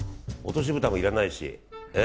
落としぶたもいらないし。